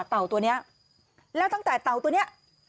เต่าตัวนี้แล้วตั้งแต่เต่าตัวนี้